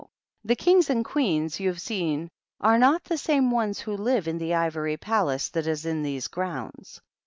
The Kings and Queens you've seen are not the same ones who live in the ivory palace that is in these grounds.